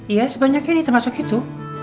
ya sebanyak ini termasuk itu